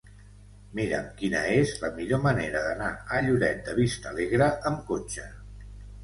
Mira'm quina és la millor manera d'anar a Lloret de Vistalegre amb cotxe.